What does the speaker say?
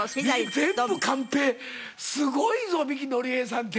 全部カンペすごいぞ三木のり平さんって！